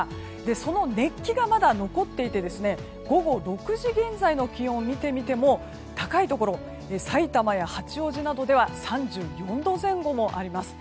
その熱気がまだ残っていて午後６時現在の気温を見てみても高いところさいたまや八王子などでは３４度前後もあります。